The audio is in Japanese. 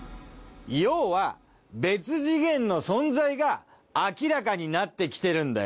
要は別次元の存在が明らかになってきてるんだよ。